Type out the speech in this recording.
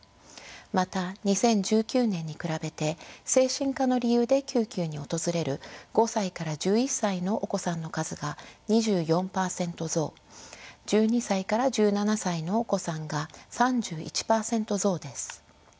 また２０１９年に比べて精神科の理由で救急に訪れる５歳から１１歳のお子さんの数が２４％増１２歳から１７歳のお子さんが３１％増です。